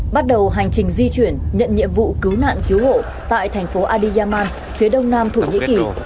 bắt đầu hành trình di chuyển nhận nhiệm vụ cứu nạn cứu hộ tại thành phố adyaman phía đông nam thổ nhĩ kỳ